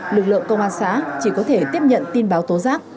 lực lượng công an xã chỉ có thể tiếp nhận tin báo tố giác